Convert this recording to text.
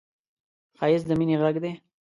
ښایست د مینې غږ دی